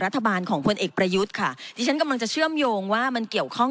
รัฐบาลของพลเอกประยุทธ์ค่ะที่ฉันกำลังจะเชื่อมโยงว่ามันเกี่ยวข้อง